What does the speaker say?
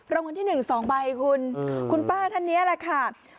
รางวัลที่๑๒ใบคุณคุณป้าท่านนี้แหละค่ะ